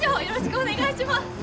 よろしくお願いします。